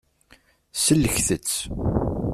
Sellket-tt.